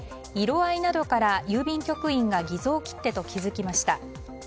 色合いなどから郵便局員が偽造切手と気づきました。